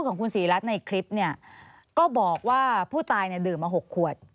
ในคลิปเนี่ยก็บอกว่าผู้ตายเนี่ยดื่มมา๖ขวด